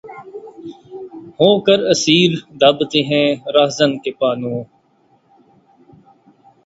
ہو کر اسیر‘ دابتے ہیں‘ راہزن کے پانو